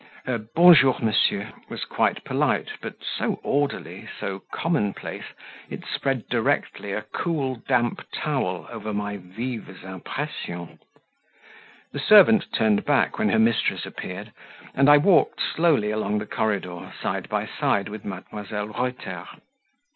Her "Bon jour, monsieur," was quite polite, but so orderly, so commonplace, it spread directly a cool, damp towel over my "vives impressions." The servant turned back when her mistress appeared, and I walked slowly along the corridor, side by side with Mdlle. Reuter.